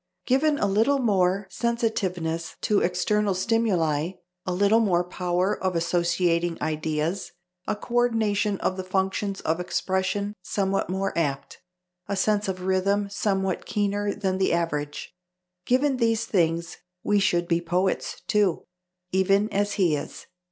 Given a little more sensitiveness to external stimuli, a little more power of associating ideas, a co ordination of the functions of expression somewhat more apt, a sense of rhythm somewhat keener than the average given these things we should be poets, too, even as he is....